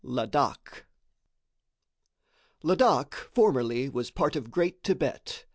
Ladak Ladak formerly was part of Great Thibet.